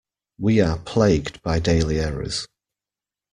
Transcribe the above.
We are plagued by daily errors.